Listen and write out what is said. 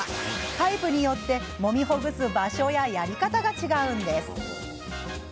タイプによってもみほぐす場所ややり方が違うんです。